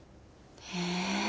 へえ。